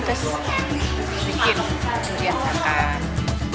terus bikin durian bakar